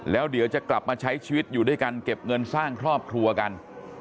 แล้วเดี๋ยวจะกลับมาใช้ชีวิตอยู่ด้วยกันเก็บเงินสร้างครอบครัวกัน